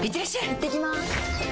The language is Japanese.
いってきます！